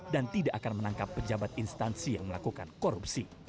dan tidak akan menangkap pejabat instansi yang melakukan korupsi